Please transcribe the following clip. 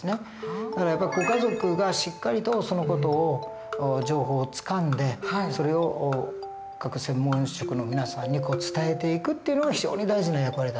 だからやっぱりご家族がしっかりとその事を情報をつかんでそれを各専門職の皆さんに伝えていくっていうのが非常に大事な役割だと思うんです。